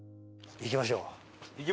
行きましょう！